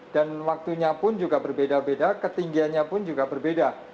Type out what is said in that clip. dan waktunya pun juga berbeda beda ketinggiannya pun juga berbeda